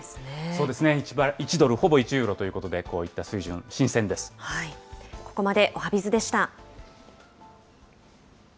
そうですね、１ドルほぼ１ユーロということで、こういった水ここまでおはＢｉｚでした。